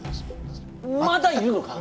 まだいるのか！？